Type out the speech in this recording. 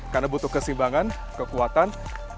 karena butuh kesimbangan kekuatan